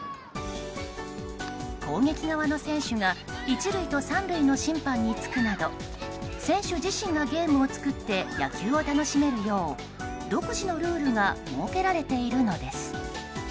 攻撃側の選手が１塁と３塁の審判につくなど選手自身がゲームを作って野球を楽しめるよう独自のルールが設けられているのです。